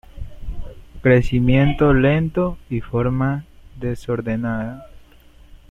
Crecimiento lento y forma desordenada.